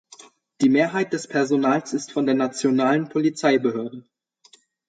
Die Mehrheit des Personals ist von der Nationalen Polizeibehörde.